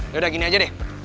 yaudah gini aja deh